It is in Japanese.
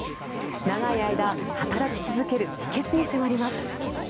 長い間、働き続ける秘けつに迫ります。